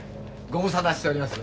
ご無沙汰しております。